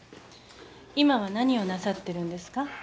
今は何をなさってるんですか？